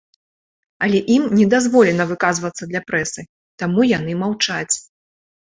Але ім не дазволена выказвацца для прэсы, таму яны маўчаць.